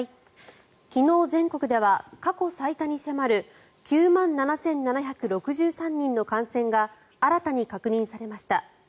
昨日、全国では過去最多に迫る９万７７６３人の感染が新たに確認されました。